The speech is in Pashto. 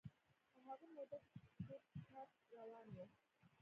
په هغه موده کې چې په کور کې کار روان و.